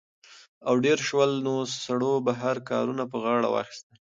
او ډېر شول؛ نو سړو بهر کارونه په غاړه واخىستل